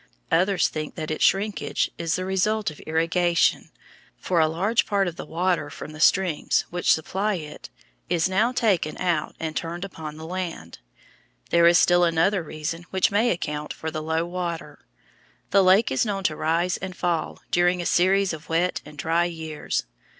Others think that its shrinkage is the result of irrigation, for a large part of the water from the streams which supply it is now taken out and turned upon the land. There is still another reason which may account for the low water. The lake is known to rise and fall during a series of wet and dry years.